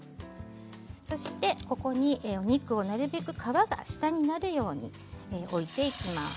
そして、ここにお肉をなるべく皮が下になるように置いていきます。